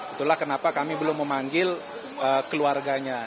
itulah kenapa kami belum memanggil keluarganya